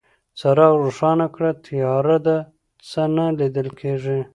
څراغ روښانه کړه، تياره ده، څه نه ليدل کيږي.